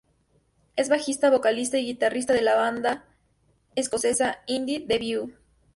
Es bajista, vocalista y guitarrista de la banda escocesa "Indie" "The View".